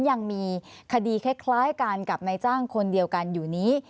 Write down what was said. ยังมีคดีคล้ายกันกับนายจ้างคนเดียวกันอยู่นี้